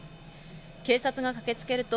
警察が駆けつけると、